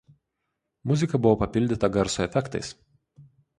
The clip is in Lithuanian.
Muzika buvo papildyta garso efektais.